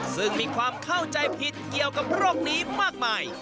ซึ่งมีความเข้าใจผิดเกี่ยวกับโรคนี้มากมาย